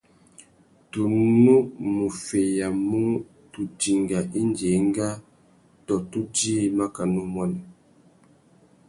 Tu nù mú feyamú tu dinga indi enga tô tu djï makana umuênê.